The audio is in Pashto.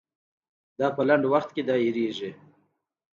دا په لنډ وخت کې دایریږي.